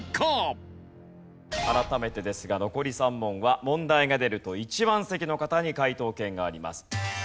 改めてですが残り３問は問題が出ると１番席の方に解答権があります。